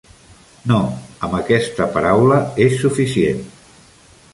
No, amb aquesta paraula és suficient.